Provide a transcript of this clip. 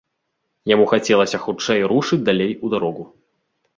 Яму хацелася хутчэй рушыць далей у дарогу.